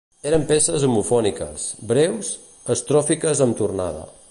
Eren peces homofòniques, breus, estròfiques amb tornada.